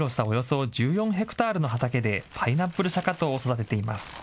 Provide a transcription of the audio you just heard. およそ１４ヘクタールの畑で、パイナップルシャカトウを育てています。